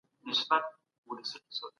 موسی جان او ګل مکۍ په فولکلور کي مشهور دي.